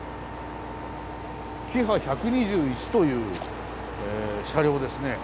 キハ１２１という車両ですね。